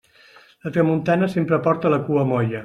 La tramuntana sempre porta la cua molla.